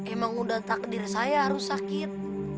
emang udah takdir saya harus sakit